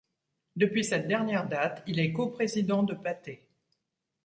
Depuis cette dernière date, il est coprésident de Pathé.